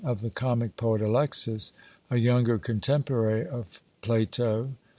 of the comic poet Alexis, a younger contemporary of Plato (fl.